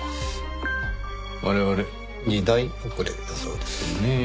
我々時代遅れだそうですね。